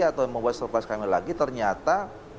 atau membuat surprise kami lagi ternyata